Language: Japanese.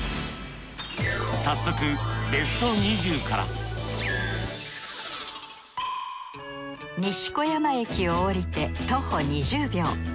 早速ＢＥＳＴ２０から西小山駅を降りて徒歩２０秒。